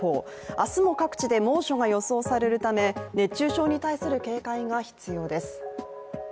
明日も各地で猛暑が予想されるため熱中症に対する警戒が必要です。